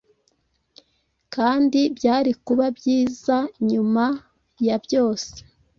Kandi byari kuba byizanyuma ya byose